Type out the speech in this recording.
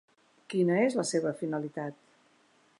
Quina és la seva finalitat?